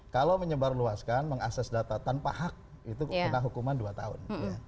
kalau menyebarluaskan mengakses data tanpa hak itu kena hukuman dua tahun